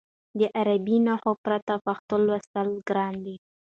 د عربي نښو پرته پښتو لوستل ګران دي.